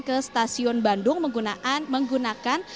ke stasiun bandung menggunakan